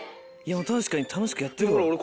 確かに楽しくやってるわ。